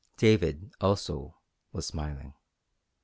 David, also, was smiling.